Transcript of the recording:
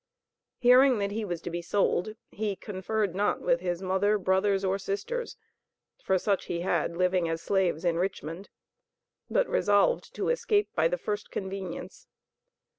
Hearing that he was to be sold, he conferred not with his mother, brothers, or sisters, (for such he had living as slaves in Richmond) but resolved to escape by the first convenience.